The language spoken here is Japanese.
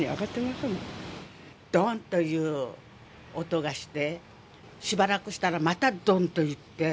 どんという音がして、しばらくしたら、またどんといって。